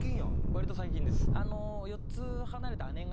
割と最近です。